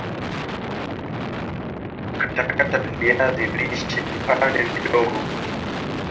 katakata viazi lishe viande vidogo